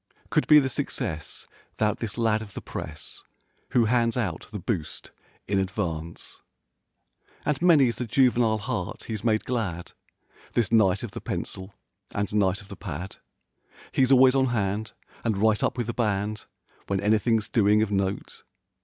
Could be the success, 'thout this lad of the press Who hands out the boost in advance, 214 And many's the juvenile heart he's made glad— This knight of the pencil and knight of the pad. He's always on hand and right up with the band When anything's doing of note.